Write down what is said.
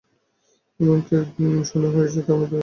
এমন-কি, এক-একদিন আমার সন্দেহ হয়েছে এর মধ্যে তোমার দুর্বলতা আছে।